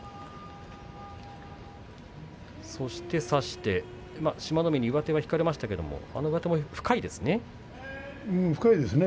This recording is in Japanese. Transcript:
そして差して志摩ノ海、右上手を引かれましたけども深いですね。